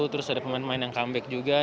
terus ada pemain pemain yang comeback juga